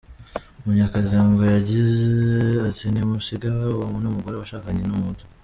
Munyakazi ngo yagize ati “Nimusigeho uwo ni umugore washakanye n’umuhutu.